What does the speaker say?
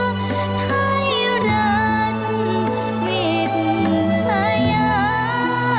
ไทยรักเวทยา